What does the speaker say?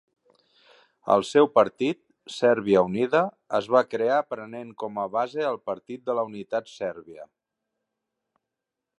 El seu partit, Sèrbia unida, es va crear prenent com a base el Partit de la unitat sèrbia.